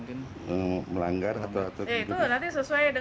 itu nanti sesuai dengan peraturan dan perundang undangan yang berlaku